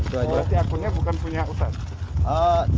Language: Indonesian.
berarti akunnya bukan punya utang